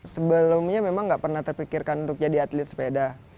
sebelumnya memang nggak pernah terpikirkan untuk jadi atlet sepeda